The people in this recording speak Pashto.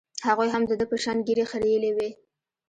هغوى هم د ده په شان ږيرې خرييلې وې.